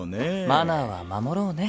マナーは守ろうね。